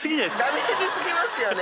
ダメージ過ぎますよね。